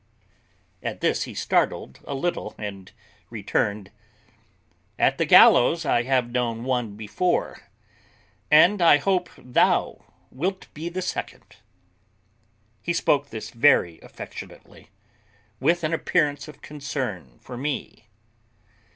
At this he startled a little, and returned, "At the gallows I have [known] one before, and I hope thou wilt be the second." He spoke this very affectionately, with an appearance of concern for me.